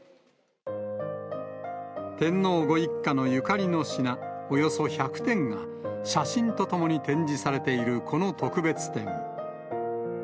天皇ご一家のゆかりの品、およそ１００点が写真とともに展示されているこの特別展。